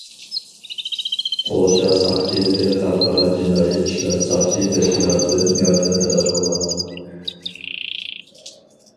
پولشا ساقچىلىرى خەلقئارا جىنايى ئىشلار ساقچى تەشكىلاتىدىن ياردەم تەلەپ قىلغان.